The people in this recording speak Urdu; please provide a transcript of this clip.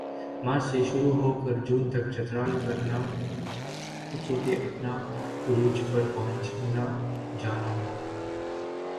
مارچ سے شروع ہوکر جون تک چترال کرنا خوبصورتی اپنا عروج پر پہنچنا جانا ہونا